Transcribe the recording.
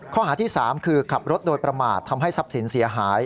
ข้อหาที่๓คือขับรถโดยประมาททำให้ทรัพย์สินเสียหาย